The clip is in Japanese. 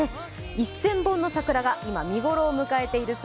１０００本の桜が今、見頃を迎えています。